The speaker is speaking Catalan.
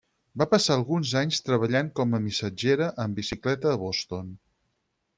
Va passar alguns anys treballant com a missatgera amb bicicleta a Boston.